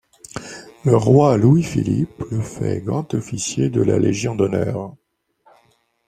Le roi Louis-Philippe le fait grand officier de la Légion d'honneur.